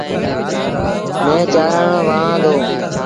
مينهن چآرڻ وهآن دو۔